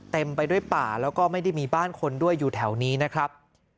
เต็มไปด้วยป่าแล้วก็ไม่ได้มีบ้านคนด้วยอยู่แถวนี้นะครับ